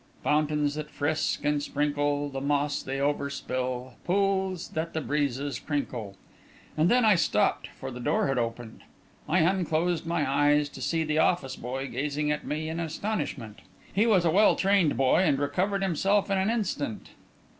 "Fountains that frisk and sprinkle The moss they overspill; Pools that the breezes crinkle,"... and then I stopped, for the door had opened. I unclosed my eyes to see the office boy gazing at me in astonishment. He was a well trained boy, and recovered himself in an instant.